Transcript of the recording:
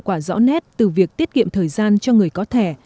có thể thấy hiệu quả rõ nét từ việc tiết kiệm thời gian cho người có thẻ